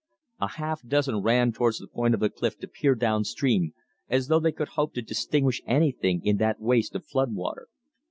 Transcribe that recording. A half dozen ran towards the point of the cliff to peer down stream, as though they could hope to distinguish anything in that waste of flood water.